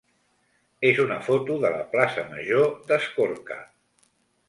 és una foto de la plaça major d'Escorca.